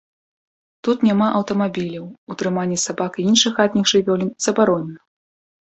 Тут няма аўтамабіляў, утрыманне сабак і іншых хатніх жывёлін забаронена.